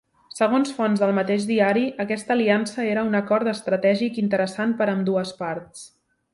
Segons fonts del mateix diari, aquesta aliança era un acord estratègic interessant per ambdues parts.